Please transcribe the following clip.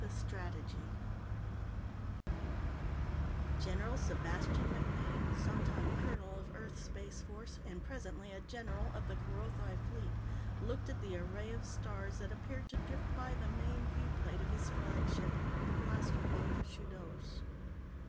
The Strategy General Sebastian MacMaine, sometime Colonel of Earth's Space Force, and presently a General of the Kerothi Fleet, looked at the array of stars that appeared to drift by the main viewplate of his flagship, the blaster boat Shudos.